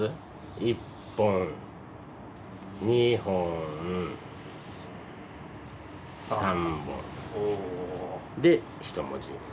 １本２本３本で１文字。